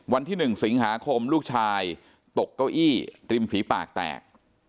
วันที่๑สิงหาคมลูกชายตกเก้าอี้ริมฝีปากแตก